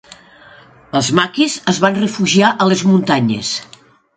Els maquis es van refugiar a les muntanyes.